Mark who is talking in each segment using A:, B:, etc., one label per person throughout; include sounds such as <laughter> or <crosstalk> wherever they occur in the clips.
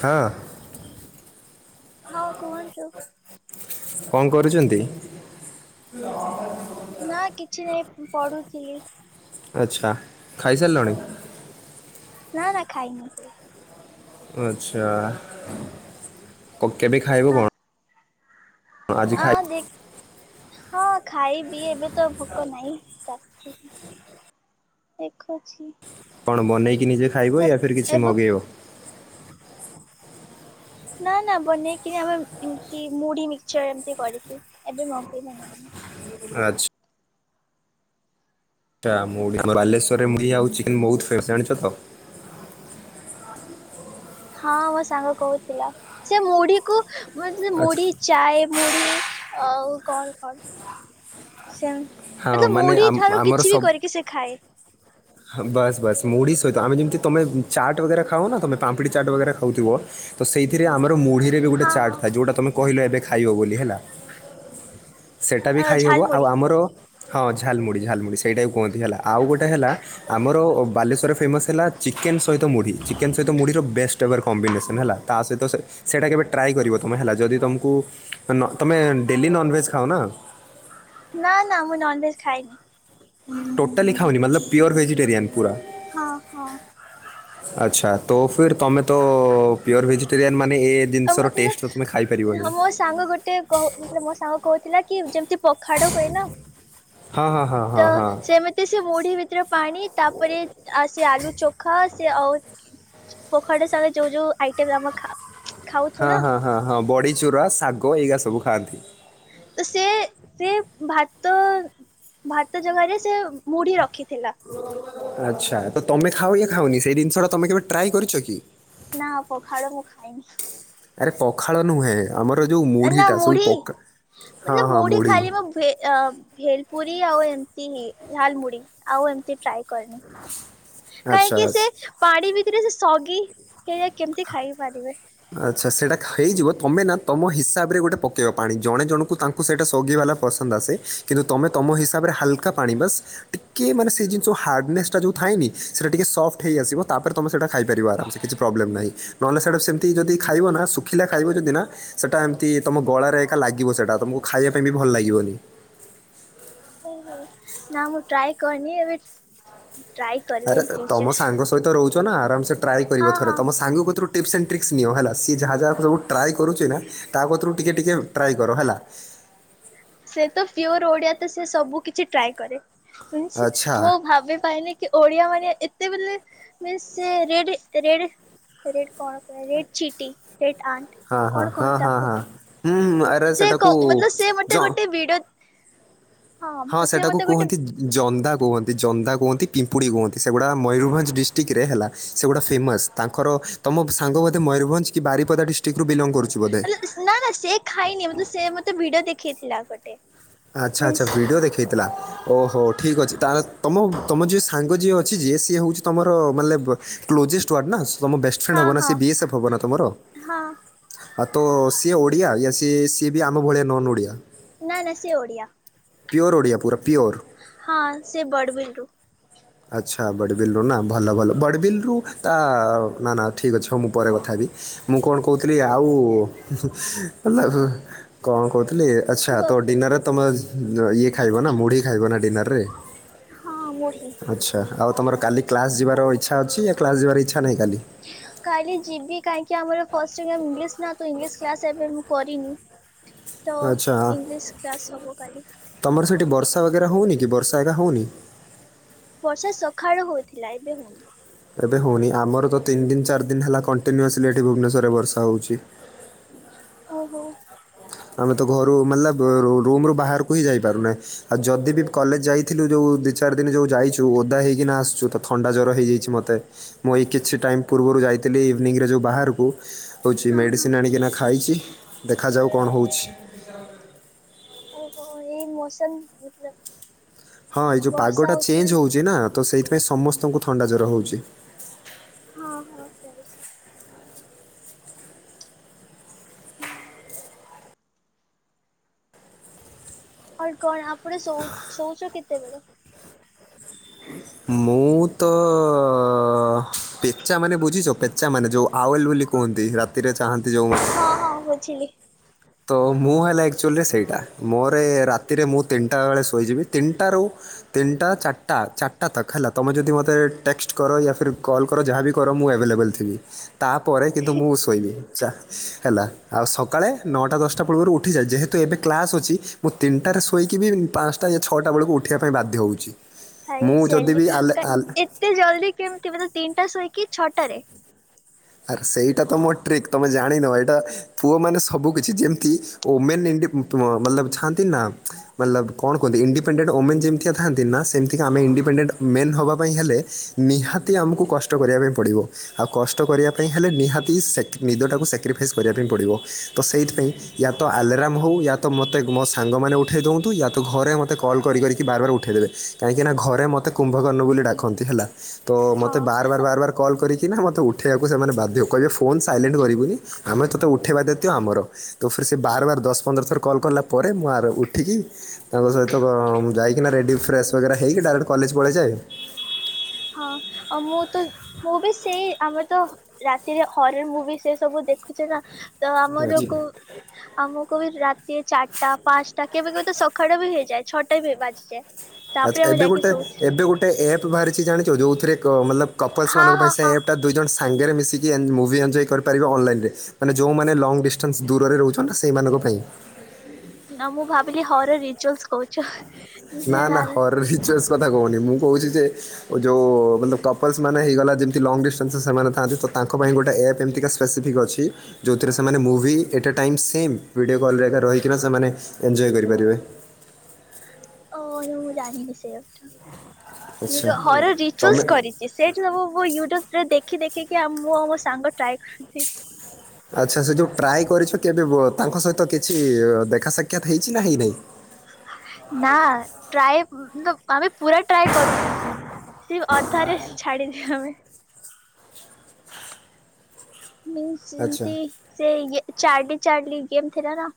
A: ହଁ।
B: ହଁ କୁହନ୍ତୁ?
A: କଣ କରୁଛନ୍ତି? <unintelligible>
B: ନା କିଛି ନାଇଁ ପଢୁଥିଲି।
A: ଆଚ୍ଛା ଖାଇସାରିଲଣି?
B: ନା ନା ଖାଇନି।
A: ଆଚ୍ଛା ଆଉ ଏବେ ଖାଇବ କଣ? ଆଜି ଖାଇ
B: ଆଁ ଦେ ହଁ ଖାଇବି ଏବେ ତ ଭୋକ ନାହିଁ। ରାତି ଦେଖୁଛି।
A: କଣ ବନେଇକି ନିଜେ ଖାଇବ
B: ଏ
A: ୟା ଫିର୍ କିଛି
B: ଏବେ
A: ମଗେଇବ।
B: ନା ନା ବନେଇକି ଆମେ ଏମିତି ମୁଢି ମିକ୍ସଚର ଏମିତି କରିକି ଏବେ ମଗେଇବ ନାଇଁ।
A: ଆଚ୍ଛା। ତା ମୁଢ଼ି ବାଲେଶ୍ୱରରେ ମୁଢୀ ଆଉ ଚିକେନ ବହୁତ ଫେମସ ଜାଣିଛ ତ?
B: ହଁ ମୋ ସାଙ୍ଗ କହୁଥିଲା ସେ ମୁଢିକୁ
A: ଆଚ୍ଛା
B: ମୁଢି ଚାଏ ମୁଢ଼ି ଆଉ କଣ କଣ ସେମ୍
A: ହଁ
B: ମତଲବ୍
A: ମାନେ
B: ମୁଢି
A: ଆମ-
B: ଠାରୁ
A: ଆମର
B: କିଛି ବି
A: ସବୁ
B: କରିକି ସେ ଖାଏ।
A: ହଁ ବାସ୍ ବାସ୍ ମୁଢ଼ି ସହିତ ଆମେ ଯେମିତି ତମେ ଚାଟ୍ ବଗେରା ଖାଉନ ତୁମେ ପାମ୍ପୁଡ଼ି ଚାଟ୍ ବଗରା ଖାଉଥିବ। ତ ସେଇଥିରେ ଆମର ମୁଢ଼ିରେ ବି ଗୋଟେ
B: ହଁ
A: ଚାର୍ଟ୍ ଥାଏ। ଯୋଉଟା ତମେ କହିଲ ଏବେ ଖାଇବ ବୋଲି ହେଲା। ସେଇଟା ବି
B: ହଁ
A: ଖାଇହେବ। ଆଉ
B: ଝାଲମୁଢି।
A: ଆମର ହଁ ଝାଲମୁଢ଼ି ଝାଲମୁଢ଼ି ସେଇଟା କୁହନ୍ତି। ହେଲା ଆଉ ଗୋଟେ ହେଲା ଆମର ବାଲେଶ୍ୱରରେ ଫେମସ୍ ହେଲା ଚିକେନ୍ ସହିତ ମୁଢ଼ି ଚିକେନ୍ ସହିତ ମୁଢ଼ିର ବେଷ୍ଟ ହେବାର କମ୍ବିନେସନ୍ ହେଲା। ତା ସହିତ ସେଇଟା କେବେ ଟ୍ରାଏ କରିବ ତୁମେ ହେଲା ଯଦି ତୁମକୁ ନ ତମେ ଡେଲି ନନ୍‌ଭେଜ୍ ଖାଅ ନା?
B: ନା ନା ମୁଁ ନନ୍‌ଭେଜ୍‌ ଖାଇନି।
A: ଟୋଟାଲି ଖାଅନି ମାନେ ପିଓର ଭେଜିଟେରିୟାନ ପୁରା।
B: ହଁ ହଁ
A: ଆଚ୍ଛା ତ ଫିର୍ ତମେ ତ ପିଓର ଭେଜିଟେରିୟାନ ମାନେ
B: ଆଉ
A: ଜିନିଷ ର
B: ମତଲବ
A: ଟେଷ୍ଟ ତମେ
B: ହଁ
A: ଖାଇପାରିବନି।
B: ମୋ ସାଙ୍ଗ ଗୋଟେ କହୁ ମାନେ ମୋ ସାଙ୍ଗ କହୁଥିଲା କି ଯେମିତି ପଖାଳ ହୁଏ ନା।
A: ହଁ ହଁ।
B: ତ
A: ହଁ ହଁ
B: ସେମିତି ସେ ମୁଢି ଭିତରେ ପାଣି ତାପରେ ସେ ଆଳୁ ଚୋଖା ସେ ଆଉ ପଖାଳ ସାଙ୍ଗରେ ଯୋଉ ଯୋଉ ଆଇଟମ୍ ଆମେ ଖା ଖାଉଛୁ
A: ହଁ
B: ନା
A: ହଁ ହଁ ହଁ ବଡ଼ିଚୁରା ଶାଗ ଏଇଗା ସବୁ ଖାଆନ୍ତି।
B: ତ ସେ ସେ ଭାତ ଭାତ ଜାଗାରେ ସେ ମୁଢି ରଖିଥିଲା।
A: ଆଚ୍ଛା ତ ତମେ ଖାଉ କି ଖାଉନି ସେଇ ଜିନିଷ ଟା ତମେ କେବେ ଟ୍ରାଏ କରିଛ କି?
B: ନା ପଖାଳ ମୁଁ ଖାଏନି।
A: ଆରେ ପଖାଳ ନୁହେଁ। ଆମର ଯୋଉ
B: ନା
A: ମୁଢ଼ିଟା ସବୁ
B: ମୁଢି
A: ପକା ହଁ
B: ମତଲବ
A: ହଁ
B: ମୁଢି
A: ମୁଢ଼ି
B: ଖାଇଲେ ବି ଭେଲ ପୁରୀ ଆଉ ଏମିତି ହିଁ ଝାଲମୁଢି ଆଉ ଏମିତି ଟ୍ରାଏ କରିନି।
A: ଆଚ୍ଛା
B: କାହିଁକି ସେ ପାଣି ଭିତରେ ସେ ସଗି ଏଇରା କେମିତି ଖାଇ ପାରିବେ?
A: ଆଚ୍ଛା ସେଇଟା ଖା ହେଇଯିବ ତମେ ନା ତମ ହିସାବରେ ଗୋଟେ ପକେଇବ ପାଣି ଜଣେ ଜଣଙ୍କୁ ତାଙ୍କ କୁ ସେଇଟା ସୋଗିବାଲା ପସନ୍ଦ ଆସେ କିନ୍ତୁ ତୁମେ ତମ ହିସାବରେ ହାଲକା ପାଣି ବାସ ଟିକେ ମାନେ ସେ ଜିନିଷ ହାର୍ଡନେସ୍ ଟା ଯୋଉ ଥାଏନି ସେଟା ଟିକେ ସଫ୍ଟ ହେଇ ଆସିବ ତାପରେ ତମେ ସେଟା ଖାଇପାରିବ ଆରାମସେ କିଛି ପ୍ରୋବ୍ଲେମ୍ ନାହିଁ। ନହେଲେ ସେଡ଼ା ସେମିତି ଯଦି ଖାଇବ ନା ଶୁଖିଲା ଖାଇବ ଯଦି ନା ସେଟା ଏମିତି ତମ ଗଳାରେ ଏକା ଲାଗିବ ସେଟା ତମକୁ ଖାଇବା ପାଇଁ ବି ଭଲ ଲାଗିବନି।
B: ଓହୋ ନା ମୁଁ ଟ୍ରାଏ କରିନି ଏବେ ଟ୍ରାଏ କରିବି
A: ଆରେ ତମ
B: ନିସ୍ଚୟ।
A: ସାଙ୍ଗ ସହିତ ରହୁଛ ନା ଆରାମସେ ଟ୍ରାଏ କରିବ ଥରେ ତମ ସାଙ୍ଗ କତିରୁ ଟିପସ ଆଣ୍ଡ ଟ୍ରିକ୍ସ ନିଅ ହେଲା ସିଏ ଯାହା ଯାହା ସବୁ ଟ୍ରାଏ କରୁଛି ନା ତା କତୁରୁ ଟିକେ ଟିକେ ଟ୍ରାଏ କର ହେଲା।
B: ସେ ତ ପିଓର ଓଡିଆ ତ ସେ ସବୁ କିଛି ଟ୍ରାଏ କରେ।
A: ଆଚ୍ଛା
B: ମୁଁ ଭାବିପାରିନି କି ଓଡିଆ ମାନେ ଏତେ ବୋଲେ ମି ସେ ରେଡ୍ ରେଡ ରେଟ୍ କଣ କୁହାଯାଏ ରେଟ୍ ଚିଟି ରେଟ୍ ଆଣ୍ଟ।
A: ହଁ
B: କଣ
A: ହଁ ହଁ
B: କୁହନ୍ତି
A: ହଁ
B: ତାକୁ
A: ହଁ ହୁଁ ଆରେ ସେଟାକୁ ଜ
B: ଭିଡ଼
A: ହଁ ସେଟାକୁ କୁହନ୍ତି ଜନ୍ଦା କୁହନ୍ତି ଜନ୍ଦା କୁହନ୍ତି ପିମ୍ପୁଡ଼ି କୁହନ୍ତି ସେଗୁଡ଼ା ମୟୂରଭଞ୍ଜ ଡିଷ୍ଟ୍ରିକ୍ଟରେ ହେଲା ସେଗୁଡ଼ା ଫେମସ୍। ତାଙ୍କର ତମ ସାଙ୍ଗ ବୋଧେ ମୟୂରଭଞ୍ଜ କି ବାରିପଦା ଡିଷ୍ଟିକ୍ରୁ ବିଲଙ୍ଗ କରୁ
B: ମତ ନା ନା ସେ ଖାଇନି ସେ ମତେ ଭିଡିଓ ଦେଖେଇଥିଲା ଗୋଟେ।
A: ଆଚ୍ଛା ଆଚ୍ଛା
B: ମିନ୍ସ
A: ଭିଡ଼ିଓ ଦେଖେଇଥିଲା। ଓହୋ ଠିକ୍ ଅଛି ତାହାଲେ ତମ ତମ ଯିଏ ସାଙ୍ଗ ଯିଏ ଅଛି ଯିଏ ସିଏ ହଉଛି ତମର ମାନେ କ୍ଲୋଜେଷ୍ଟ ୱାନ ନା ତମ ବେଷ୍ଟ ଫ୍ରେଣ୍ଡ
B: ହଁ
A: ହବନା
B: ହଁ
A: ବି ଏସଏଫ୍ ତମର
B: ହଁ
A: ଆଉ ତ ସିଏ ଓଡ଼ିଆ ୟା ସିଏ ସିଏ ବି ଆମ ଭଳିଆ ନନ୍ ଓଡ଼ିଆ।
B: ନା ନା ସେ ଓଡ଼ିଆ।
A: ପିଓର ଓଡ଼ିଆ ପୁରା ପିଓର।
B: ହଁ ସେ ବଡ଼ବିଲରୁୁ।
A: ଆଚ୍ଛା ବଡ଼ବିଲରୁ ନା ଭଲ ଭଲ ବଡ଼ବିଲରୁ ତା ନା ନା ଠିକ୍ ଅଛି ହଉ ମୁଁ ପରେ କଥା ହେବି। ମୁଁ କଣ କହୁଥିଲି ଆଉ ହେଲା କଣ କହୁଥିଲି ଆଚ୍ଛା ତ
B: ହଁ
A: ଡିନରରେ ତୁମେ ଇଏ ଖାଇବ ନା ମୁଢ଼ି ଖାଇବ ନା ଡିନରରେ?
B: ହଁ ମୁଢ଼ି।
A: ଆଚ୍ଛା ଆଉ ତମର କାଲି କ୍ଲାସ ଯିବାର ଇଚ୍ଛା ଅଛି ୟା କ୍ଲାସ୍ ଯିବାର ଇଚ୍ଛା ନାହିଁ କାଲି?
B: କାଲି ଯିବି କାହିଁକି ଆମର। ଫାଷ୍ଟରେ ଇଂଲିଶ ନା ଇଂଲିଶ କ୍ଲାସ ଏବେ ମୁଁ କରିନି। ତ
A: ଆଚ୍ଛା
B: ଇଂଲିଶ କ୍ଲାସ ହବ କାଲି।
A: ତମର ସେଠି ବର୍ଷା <unintelligible> ହେଉନି କି ବର୍ଷା ଏକା ହେଉନି?
B: ବର୍ଷା ସଖାଳୁ ହୋଇଥିଲା ଏବେ ହଉନି।
A: ଏବେ ହଉନି ଆମର ତ ତିନି ଦିନ ଚାରି ଦିନ ହେଲା କଣ୍ଟିୁନିୟୂସିଲି ଭୁବନେଶ୍ୱରରେ ବର୍ଷା ହଉଛି।
B: ହଉ ହଉ।
A: ଆମେ ତ ଘରୁମାଲା ରୁ ରୁମରୁ ବାହାରକୁ ହିଁ ଯାଇପାରୁନା। ଆଉ ଯଦି ବି କଲେଜ ଯାଇଥିଲୁ ଯଉ ଦି ଚାରି ଦିନ ଯୋଉ ଯାଇଛୁ ଓଦା ହେଇକିନା ଆସୁଛୁ ତ ଥଣ୍ଡା ଜ୍ୱର ହେଇଯାଇଛି ମୋତେ। ମୁଁ ଏଇ କିଛି ଟାଇମ୍ ପୂର୍ବରୁ ଯାଇଥିଲି ଇଭିନିଂରେ ଯଉ ବାହାରକୁ ହୋଉଛି
B: ହଁ ହଁ
A: ମେଡ଼ିସିନ ଆଣିକିନା ଖାଇଛି ଦେଖାଯାଉ କଣ ହୋଉଛି।
B: ଓହ ଏଇ ମୌସମ ହଉଥିଲା।
A: ହଁ ଏଇ ଯୋଉ ପାଗଟା ଚେଞ୍ଜ ହଉଛି ନା ତ ସେଇଥିପାଇଁ ସମସ୍ତଙ୍କୁ ଥଣ୍ଡା ଜ୍ଵର ହଉଛି।
B: ହଁ ହଁ ସେଇଟା। ଆଉ କଣ ଆପଣେ ଶ ଶୋଉଛ କେତେବେଳେ?
A: ମୁଁ ତ ପେଚା ମାନେ ବୁଝିଛ ପେଚା ମାନେ ଯେଉଁ ଆୱଲ ବୋଲି କୁହନ୍ତି ରାତିରେ ଚାହାନ୍ତି ଯୋଉ ମା
B: ହଁ ହଁ ବୁଝିଲି।
A: ତ ମୁଁ ହେଲା ଆକ୍ଚୁଆଲି ସେଇଟା ମୋରେ ରାତିରେ ମୁଁ ତିନିଟା ବେଳେ ଶୋଇଯିବି ତିନିଟାରୁ ତିନିଟା ଚାରିଟା ଚାରିଟା ତକ ହେଲା ତମେ ଯଦି ମୋତେ ଟେକ୍ସଟ କର ୟା ଫିର୍ କଲକର ଯାହା ବି କର ମୁଁ ଆଭେଲେବଲ୍ ଠିକ୍ ଅଛି, ତାପରେ କିନ୍ତୁ ମୁଁ ଶୋଇବି ଯା ହେଲା ଆଉ ସକାଳେ ନଅଟା ଦଶଟା ପୂର୍ବରୁ ଉଠିଯାଏ ଯେହେତୁ ଏବେ କ୍ଲାସ୍ ଅଛି ମୁଁ ତିନିଟାରେ ଶୋଇକି ବି ପା ଛଅଟା ବେଳକୁ ଉଠିବା ପାଇଁ ବାଧ୍ୟ ହଉଛି
B: ଭାଇ
A: ମୁଁ ଯଦି
B: ସେଲି
A: ବି ଆଲେ
B: କା
A: ଆଲ୍
B: ଏତେ ଜଲ୍ଦି କେମତି ତିନିଟା ଶୋଇକି ଛଅଟାରେ।
A: ଆର୍ ସେଇଟା ତ ମୋ ଟ୍ରିକ୍ ତମେ ଜାଣିିନ ଏଇଟା ପୁଅମାନେ ସବୁ କିିଛି ଯେମିତି ଓ ମେନ୍ ଏମିତି ମଲବ ଛାନ୍ତି ନା। ମଲବ କଣ କୁହନ୍ତି ଇଣ୍ଡିପେଣ୍ଡଡ ଓମେନ୍ ଯେମତିଆ ଥାନ୍ତି ନା ସେମିତିକା ଆମେ ଇଣ୍ଡିପେଣ୍ଡେଡ ମେଲ଼ ହବା ପାଇଁ ହେଲେ ନିହାତି ଆମକୁ କଷ୍ଟ କରିବା ପାଇଁ ପଡ଼ିବ ଆଉ କଷ୍ଟ କରିବା ପାଇଁ ହେଲେ ନିହାତି ସେକ ନିଦଟାକୁ ସାକ୍ରିଫାଇସ୍ କରିବା ପାଇଁ ପଡ଼ିବ ତ ସେଇଥିପାଇଁ ୟା ତ ଆଲାରମ୍ ହଉ ୟା ତ ମତେ ମୋ ସାଙ୍ଗମାନେ ଉଠାଇ ଦୋନ୍ତୁ ୟା ତ ଘରେ ମତେ କଲ୍ କରି କରିକି ବାରବାର ଉଠେଇ ଦେବେ। କାହିଁକି ନା ଘରେ ମତେ କୁମ୍ଭକର୍ଣ୍ଣ ବୋଲି ଡାକନ୍ତି ହେଲା। ତ
B: ହଁ
A: ମତେ ବାର ବାର ବାର ବାର କଲ୍ କରିକିନା ମୋତେ ଉଠେଇ କୁ ସେମାନେ ବାଧ୍ୟ, କହିବେ ଫୋନ୍ ସାଇଲେଣ୍ଟ କରିବୁନି ଆମେ ତତେ ଉଠାଇବା ଦାୟୀତ୍ଵ ଆମର। ତ ଫିର ସେ ବାର ବାର ଦଶ ପନ୍ଦର ଥର କଲ୍ କଲା ପରେ ମୁଁ ଆର ଉଠିକି ତାଙ୍କ ସହିତ ମୁଁ ଯାଇକିନା ରେଡ଼ି ଫ୍ରେସ୍ ବଗେରା ହେଇକି ଡାଇରେକ୍ଟ କଲେଜ ପଳେଇଯାଏ।
B: ଆ ମୁଁ ତ ମୁଁ ବି ସେଇ ଆମେ ତ ରାତିରେ ହରର ମୁଭି ସେ ସବୁ ଦେଖୁଚେ ନା ତ
A: ଠିକ୍
B: ଆମର
A: ଅଛି
B: କଉ ଆମକୁ ବି ରାତି ଚାଟା ପାଞ୍ଚଟା କେବେ କେବେ ତ ସକାଳ ବି ହେଇଯାଏ ଛଅଟା ବି ବାଜିଯାଏ।
A: ଆଚ୍ଛା
B: ତାପରେ ଆମେ
A: ଏବେ
B: ଯାଇକି
A: ଗୋଟେ
B: ଶୋଉଛେ
A: ଏବେ ଗୋଟେ ଏପ୍ ବାହାରିଚି ଜାଣିଚ ଯୋଉଥିରେ ମଲପ କପଲ୍ସ
B: ହଁ
A: ମାନଙ୍କ ପାଇଁ
B: ହଁ
A: ସେ
B: ହଁ
A: ଏପ୍ ଟା। ଦୁଇ ଜଣ ସାଙ୍ଗରେ ମିଶିକି ଏ ମୁଭି ଏଞ୍ଜୟ କରିପାରିବେ ଅନଲାଇନ ରେ। ମାନେ ଯୋଉମାନେ ଲଙ୍ଗ ଡିଷ୍ଟାନ୍ସ ଦୂରରେ ରହୁଛନ୍ତି ସେଇମାନଙ୍କ ପାଇଁ।
B: ନା ମୁଁ ଭାବିଲି ହର ରିଚୁଆଲସ କହୁଚ, ନା।
A: <unintelligible> କଥା କହୁନି ମୁଁ କହୁଚି ଯେ ଯଉ ମଲପ କପଲସ ମାନେ ହେଇଗଲା ଯେମତି ଲଙ୍ଗ ଡିଷ୍ଟାନ୍ସ ସେମାନେ ଥାନ୍ତି ତ ତାଙ୍କ ପାଇଁ ଗୋଟେ ଏପ ଏମତିକା ସ୍ପେସିଫିକ୍ ଅଛି। ଯୋଉଥିରେ ସେମାନେ ମୁଭି ଏଟା ଟାଇମ୍ ଶେମ୍ ଭିଡିଓ କଲରେ ଏକା ରହିକିନା ସେମାନେ ଏଞ୍ଜୟ କରିପାରିବେ।
B: ଓ ମୁଁ ଜାଣିନି ସେ ଏପ୍ ଟା ନି
A: ଆଚ୍ଛା
B: ହର ରିଚୁଲସ
A: ତମେ
B: କରି ସେଇଠି ସବୁ ମୁ ୟୁଟ୍ୟୁବ ରେ ଦେଖି ଦେଖିକି ଆ ମୁଁ ଆଉ ମୋ ସାଙ୍ଗ ଟ୍ରାଏ କ <unintelligible>
A: ଆଚ୍ଛା ସେ ଯୋଉ ଟ୍ରାଏ କରିଛ କେବେ ତାଙ୍କ ସହିତ କିଛି ଦେଖା ସାକ୍ଷାତ ହେଇଛି ନା ହେଇନେଇଁ?
B: ନା ଟ୍ରାଏ ତ ଆମେ ପୁରା ଟ୍ରାଏ କରୁନି। ସେ ଅଧାରେ ଛାଡିଦିଅ ଆମେ। ମିନ୍ସ
A: ଆଚ୍ଛା
B: ଯେମତି ସେ ଚାଡଲି ଚାଡଲି ଗେମ ଥିଲା ନା।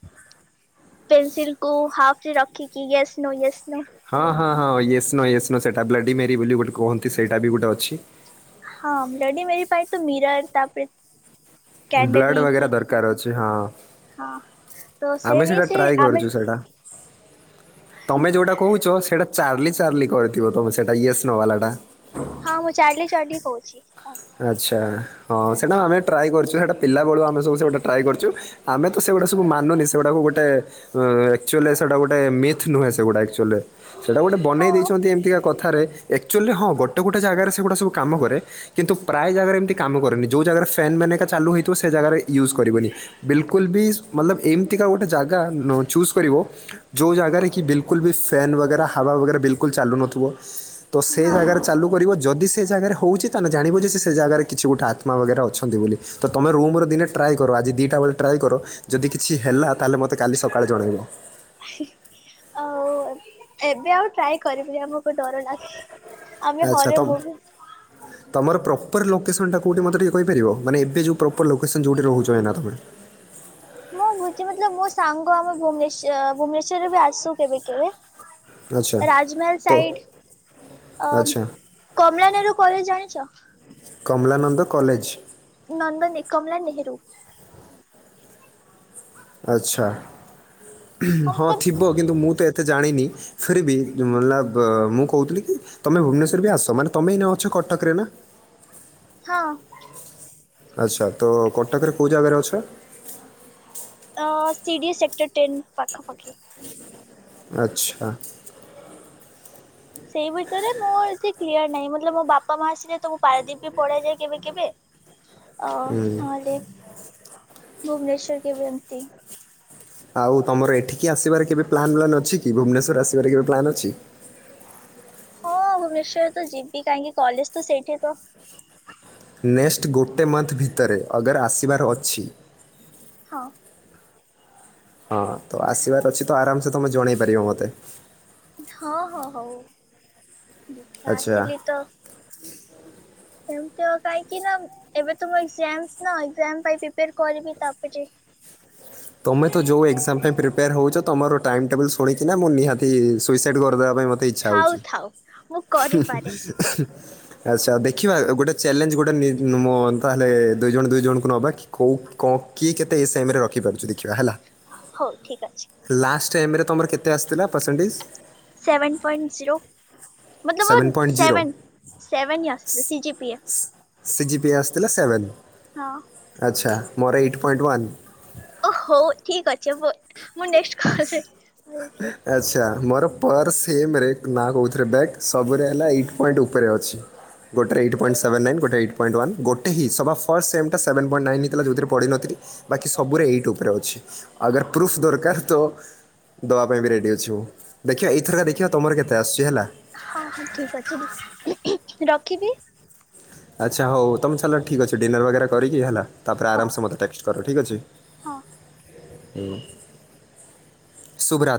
B: ପେନସିଲ କୁ ହାଫ ରେ ରଖିକି ୟେସ୍ ନୋ ୟେସ୍ ନୋ।
A: ହଁ ହଁ ହଁ ୟେସ ନୋ ୟେସ ନୋ ସେଟା ବ୍ଲାଡି ମେରି ବୋଲି ଗୋଟେ କୁହନ୍ତି ସେଇଟା ବି ଗୋଟେ ଅଛି।
B: ହଁ ବ୍ଲଡ଼ିମେରୀ ପାଇଁ ତ ମିରର ତାପରେ କ୍ୟାଣ୍ଡେଲ
A: ବ୍ଲଡ଼୍
B: ନେଇକି
A: ବଗେରା ଦରକାର ଅଛି ହଁ।
B: ହଁ ତ ସେ
A: ଆମେ ସେଇଟା
B: ନେଇ ସେ
A: ଟ୍ରାଏ
B: ଆମେ
A: କରୁଛୁ ସେଇଟା ତମେ ଯୋଉଟା କହୁଛ ସେଇଟା ଚାର୍ଲି ଚାର୍ଲି କହିଥିବ ତମେ ସେଟା ୟେସ ନୋ ବାଲା ଟା।
B: ହଁ ମୁଁ ଚାର୍ଲି ଚାର୍ଲି କହୁଛି ହଁ।
A: ଆଚ୍ଛା ହଁ ସେଟା ଆମେ ଟ୍ରାଏ କରୁଚୁ ହେଟା ପିଲାବେଳୁ ଆମେ ସବୁ ସେଟା ଟ୍ରାଏ କରୁଚୁ। ଆମେ ତ ସେଗୁଡା ସବୁ ମାନୁନି ସେଗୁଡାକୁ ଗୋଟେ ଅ ଆକ୍ଚ୍ୟୁଲି ସେଇଟା ଗୋଟେ ମିଥ୍ ନୁହେଁ ସେଗୁଡ଼ା ଆକ୍ଚ୍ୟୁଲି। ସେଇଟା ଗୋଟେ
B: ହଁ
A: ବନେଇ ଦେଇଛନ୍ତି ଏମିତିକା କଥାରେ। ଆକ୍ଚ୍ୟୁଲି ହଁ ଗୋଟେ ଗୋଟେ ଜାଗାରେ ସେଗୁଡ଼ା ସବୁ କାମ କରେ। କିନ୍ତୁ ପ୍ରାୟ ଜାଗାରେ ଏମିତି କାମ କରେନି ଯୋଉ ଜାଗାରେ ଫ୍ୟାନ ମାନେକା ଚାଲୁ ହେଇଥିବ ସେ ଜାଗାରେ ୟୁଜ୍ କରିବନି। ବିଲକୁଲ ବି ମତଲବ ଏମିତିକା ଗୋଟେ ଜାଗା ନୋ ଚୁଜ୍ କରିବ। ଯୋଉ ଜାଗାରେ କି ବିଲକୁଲ ବି ଫ୍ୟାନ୍ ବଗେରା ହାବା ବଗେରା ବିଲକୁଲ ଚାଲୁନଥିବ। ତ ସେ
B: ହଁ
A: ଜାଗାରେ
B: ହଁ।
A: ଚାଲୁ କରିବ ଯଦି ସେ ଜାଗାରେ ହଉଚି। ତାହେଲେ ଜାଣିବ ଯେ ସେ ଜାଗାରେ କିଛି ଗୋଟେ ଆତ୍ମା ବଗେରା ଅଛନ୍ତି ବୋଲି। ତମେ ରୁମ୍ ରେ ଦିନେ ଟ୍ରାଏ କର ଆଜି ଦିଟା ବେଳେ ଟ୍ରାଏ କର। ଯଦି କିଛି ହେଲା ତା ହେଲେ ମତେ କାଲି ସକାଳେ ଜଣେଇବ।
B: ଆ ଆଉ ଏବେ ଆଉ ଟ୍ରାଏ କରିବି ଆମକୁ ଡର ଲାଗେ। ଆମେ
A: ଆଚ୍ଛା
B: ହରର
A: ତମ
B: ମୁଭି
A: ତମର ପ୍ରପର ଲୋକେସନ୍ ଟା କୋଉଠି ମତେ ଟିକେ କହିପାରିବ। ମାନେ ଏବେ ଯୋଉ ପ୍ରପର ଲୋକସନ୍ ଯୋଉଠି ରହୁଚ ଏଇ ନା ତମେ।
B: ମୁଁ କହୁଚି ମତଲବ ମୋ ସାଙ୍ଗ ଆମେ ଭୁବନେଶ୍ୱର୍ ଭୁବନେଶ୍ଵରରେ ବି ଆସୁ କେବେ କେବେ।
A: ଆଚ୍ଛା
B: ରାଜମହଲ
A: ତ
B: ସାଇଡ। ଅ
A: ଆଚ୍ଛା
B: କମଳା ନେହେରୁ କଲେଜ ଜଣିଛ?
A: କମଲାନନ୍ଦ କଲେଜ୍?
B: ନନ୍ଦ ନାଇଁ କମଲା ନେହେରୁ।
A: ଆଚ୍ଛା ହଁ ଥିବ କିନ୍ତୁ ମୁଁ ତ ଏତେ ଜାଣିନି ଫେର ବି ମଲବ୍ ମୁଁ କହୁଥିଲି କି ତମେ ଭୁବନେଶ୍ଵର ବି ଆସ ମାନେ ଏଇନେ ଅଛ କଟକରେ ନା?
B: ହଁ।
A: ଆଚ୍ଛା ତ କଟକରେ କୋଉ ଜାଗାରେ ଅଛ?
B: ଆ C D A sector ten ପାଖାପାଖି।
A: ଆଚ୍ଛା।
B: ସେଇ ଭିତରେ ମୁଁ ଏତେ କ୍ଲିୟର ନାହିଁ ମତଲବ୍ ମୋ ବାପା ମା ଆସିଲେ ତ ମୁଁ ପାରଦୀପ ବି ପାଲେଇଯାଏ କେବେ କେବେ। ଓ ନ ହେଲେ ଭୁବନେଶ୍ଵର କେବେ ଏମତି।
A: ଆଉ ତମର ଏଠିକି ଆସିବାର କେବେ ପ୍ଲାନ୍ ବ୍ଲାନ୍ ଅଛି କି ଭୁବନେଶ୍ଵର ଆସିବାର କେବେ ପ୍ଲାନ୍ ଅଛି?
B: ହଁ ଭୁବନେଶ୍ଵର ତ ଯିବି କାହିଁକି କଲେଜ ତ ସେଇଠି ତ।
A: ନେକ୍ସଟ୍ ଗୋଟେ ମନ୍ଥ ଭିତରେ ଅଗର ଆସିବାର ଅଛି।
B: ହଁ।
A: ହଁ ତ ଆସିବାର ଅଛି ତ ଆରାମସେ ତମେ ଜଣେଇ ପାରିବ ମତେ।
B: ହଁ ହଁ ହଉ ଦେଖିଆ
A: ଆଚ୍ଛା
B: ଆସିଲି ତ ସେମିତି ଆଉ କାହିଁକି ନା ଏବେ ତ ମୋ ଏକ୍ସାମସ୍ ନା ଏକ୍ସାମ ପାଇଁ ପ୍ରୀପେୟର କରିବି ତାପରେ
A: ତମେ ତ ଯୋଉ ଏକ୍ସାମ୍ ପାଇଁ ପ୍ରିପେୟାର ହଉଚ ତମର ଟାଇମ ଟେବୁଲ ଶୁଣିକି ନା ମୁଁ ନିହାତି ସୁସାଇଡ କରିଦବା ପାଇଁ ମତେ ଇ ଇଛା
B: ଥାଉ
A: ହଉଚି।
B: ଥାଉ ମୁଁ କରିପାରେ
A: ଆଚ୍ଛା ଦେଖିବା ଗୋଟେ ଚ୍ୟାଲେଞ୍ଜ ଗୋଟେ ନି ମୋ ତାହେଲେ ଦୁଇ ଜଣ ଦୁଇ ଜଣଙ୍କୁ ନବା କି? କୋଉ କଣ କିଏ କେତେ ଏସାଇମ୍ ରଖିପାରୁଚି ଦେଖିବା ହେଲା?
B: ହଉ ଠିକ ଅଛି।
A: ଲାଷ୍ଟ ଏମ୍ ରେ ତମର କେତ୍ କେତେ ଆସିଥିଲା ପରସେଣ୍ଟେ୍ଜ?
B: Seven point zero. ମତଲବ ଓ
A: seven point zero
B: seven seven ହିଁ ଆସିଥିଲା C G P A.
A: C G P A ଆସିଥିଲା ସେଭେନ୍।
B: ହଁ।
A: ଆଚ୍ଛା। ମୋର ଏଇଟ୍ ପଏଣ୍ଟ୍ ୱାନ୍।
B: ଓ ହଉ ଠିକ୍ ଅଛି। ମୁଁ ନେକ୍ସଟ୍ କଲରେ
A: ଆଚ୍ଛା। ମୋର ପର ସେମ୍ ରେ ନା କଉଥିରେ ବ୍ୟାକ୍। ସବୁରେ ହେଲା ଏଇଟ୍ ପଏଣ୍ଟ୍ ଉପରେ ଅଛି। ଗୋଟେରେ ଏଇଟ୍ ପଏଣ୍ଟ ସେଭେନ୍ ନାଇନ୍, ଗୋଟେ ରେ ଏଇଟ୍ ପଏଣ୍ଟ ୱାନ। ଗୋଟେ ହିଁ ସଭା ଫାଷ୍ଟ ସେମ୍ ଟା ସେଭେନ ପଏଣ୍ଟ ନାଇନ୍ ହେଇଥିଲା ଯଉଥିରେ ପଢିନଥିଲି। ବାକି ସବୁରେ ଏଇଟ୍ ଉପରେ ଅଛି। ଆଗର୍ ପ୍ରୁଫ୍ ଦର୍ ଯାହା ଆସିଥିବ ଦବା ପାଇଁ ବି ରେଡି ଅଛି ମୁଁ ଦେଖିବା ଏଇଥରକା ଦେଖିବା ତମର କେତେ ଆସୁଛି ହେଲା।
B: ହଁ ହଁ ଠିକ ଅଛି ଦିଦି ରଖିବି
A: ଆଚ୍ଛା ହଉ ତମେ ଚାଲ ଠିକ୍ ଅଛି ଡିନର୍ ବଗେରା କରିକି ହେଲା ତାପରେ
B: ହଁ
A: ଆରାମସେ ମୋତେ ଟେକ୍ସଟ କର ଠିକ୍ ଅଛି।
B: ହଁ।
A: ଶୁଭ୍ ରା